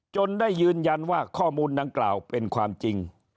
ได้ยืนยันว่าข้อมูลดังกล่าวเป็นความจริง